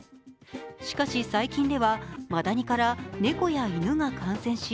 しかし、最近ではマダニから猫や犬が感染し